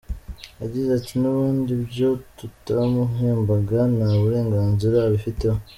Yagize ati:” Nubundi ibyo tutamuhembaga nta burenganzira abifiteho.